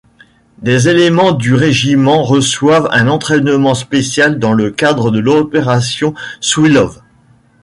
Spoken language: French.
Des éléments du régiment reçoivent un entraînement spécial dans le cadre de l’opération Seelowe.